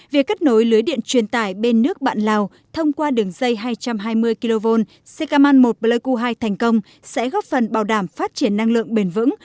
việc kết nối lưới điện truyền tải bên nước bạn lào thông qua đường dây hai trăm hai mươi kv ckman một pleiku hai thành công sẽ góp phần bảo đảm phát triển năng lượng bền vững